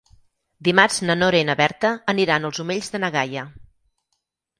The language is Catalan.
Dimarts na Nora i na Berta aniran als Omells de na Gaia.